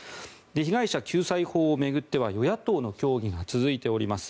被害者救済法を巡っては与野党の協議が続いております。